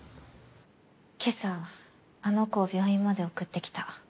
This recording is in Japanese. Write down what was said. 今朝あの子を病院まで送ってきた。